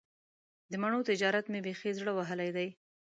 د مڼو تجارت مې بیخي زړه وهلی دی.